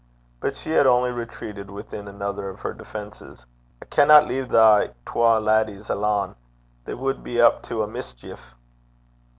But she had only retreated within another of her defences. 'I canna leave thae twa laddies alane. They wad be up to a' mischeef.'